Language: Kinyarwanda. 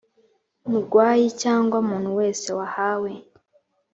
murwayi cyangwa umuntu wese wahawe